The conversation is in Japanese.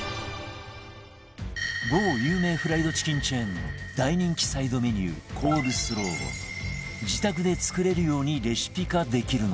某有名フライドチキンチェーンの大人気サイドメニューコールスローを自宅で作れるようにレシピ化できるのか？